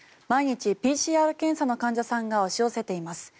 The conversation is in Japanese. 毎日、ＰＣＲ検査の患者さんが押し寄せています。